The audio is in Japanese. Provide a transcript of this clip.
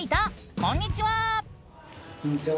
こんにちは！